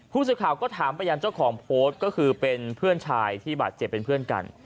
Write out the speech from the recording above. ผู้สื่อข่าวก็ถามไปยังเจ้าของโพสต์ก็คือเป็นเพื่อนชายที่บาดเจ็บเป็นเพื่อนกัน